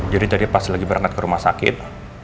jadi tadi pas lagi berangkat ke rumah sakit